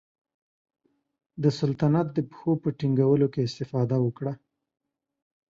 د سلطنت د پښو په ټینګولو کې استفاده وکړه.